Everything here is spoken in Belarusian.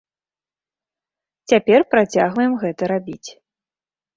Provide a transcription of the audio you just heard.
Цяпер працягваем гэта рабіць.